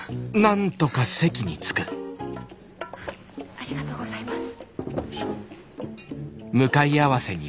ありがとうございます。